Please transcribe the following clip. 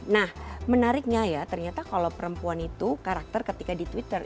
nah menariknya ya ternyata kalau perempuan itu karakter ketika di twitter